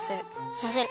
まぜる。